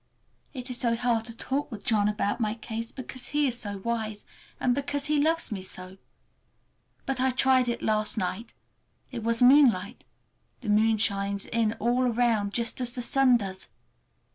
It is so hard to talk with John about my case, because he is so wise, and because he loves me so. But I tried it last night. It was moonlight. The moon shines in all around, just as the sun does.